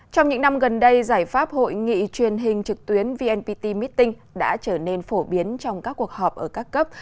trong những năm gần đây giải pháp hội nghị truyền hình trực tuyến vnpt meeting đã trở nên phổ biến trong các cuộc họp